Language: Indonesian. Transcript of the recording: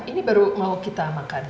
ini baru mau kita makan